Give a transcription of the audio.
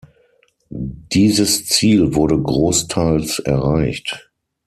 Dieses Ziel wurde großteils erreicht.